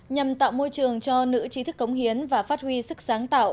nhằm tạo môi trường cho nữ trí thức cống hiến và phát huy sức sáng tạo